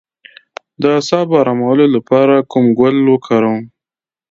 د اعصابو ارامولو لپاره کوم ګل وکاروم؟